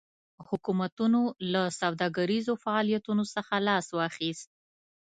حکومتونو له سوداګریزو فعالیتونو څخه لاس واخیست.